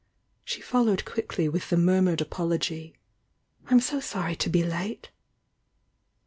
She followed quickly with the murmured apology: "I'm so Sony to be late!"